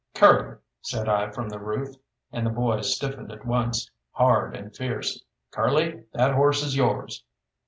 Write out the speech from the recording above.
"Curly!" said I from the roof. And the boy stiffened at once, hard and fierce. "Curly, that horse is yours."